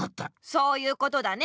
そういうことだね。